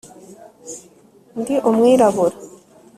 ndi umwirabura